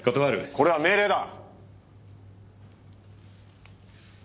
これは命令だ！